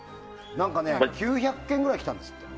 ９００件ぐらい来たんですって。